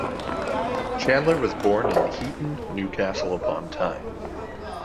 Chandler was born in Heaton, Newcastle upon Tyne.